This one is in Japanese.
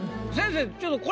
先生